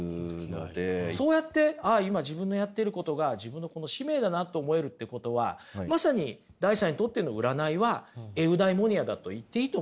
そうやってああ今自分のやってることが自分のこの使命だなあと思えるってことはまさにダイさんにとっての占いはエウダイモニアだと言っていいと思いますね。